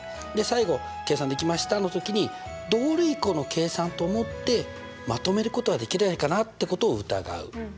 最後計算できましたの時に同類項の計算と思ってまとめることはできないかなってことを疑う。